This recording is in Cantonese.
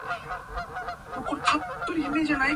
第日我娶個老婆係咁呢就唔慌餓死咯